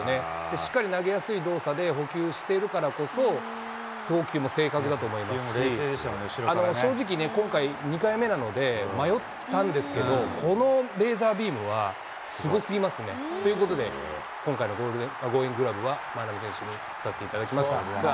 しっかり投げやすい動作で捕球しているからこそ、送球も正確だと思いますし、正直ね、今回、２回目なので、迷ったんですけど、このレーザービームは、すごすぎますね。ということで、今回のゴーインググラブは、万波選手にさせていただきました。